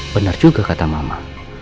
benar juga kata mama